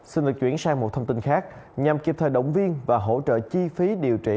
xin được chuyển sang một thông tin khác nhằm kịp thời động viên và hỗ trợ chi phí điều trị